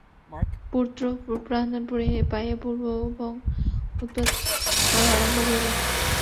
পুত্র প্রাণদান পাইয়া পূর্ববং উৎপাত আরম্ভ করিল।